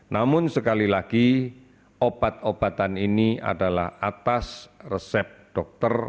namun sekali lagi obat obatan ini adalah atas resep dokter